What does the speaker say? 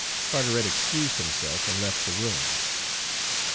Carteret excused himself and left the room.